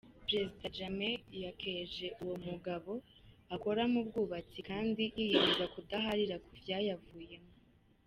Prezida Jammeh yakeje uwo mugabo akora mu bwubatsi kandi yiyemeza kudaharira kuvyayavuyemwo.